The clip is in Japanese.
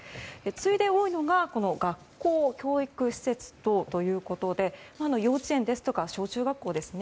次いで多いのが学校・教育施設等ということで幼稚園ですとか小中学校ですね。